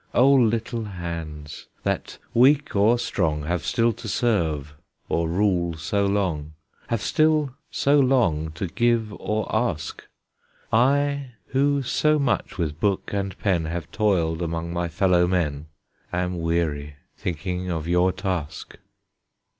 O little hands! that, weak or strong, Have still to serve or rule so long, Have still so long to give or ask; I, who so much with book and pen Have toiled among my fellow men, Am weary, thinking of your task.